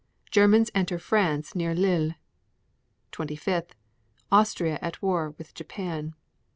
Germans enter France near Lille. 25. Austria at war with Japan.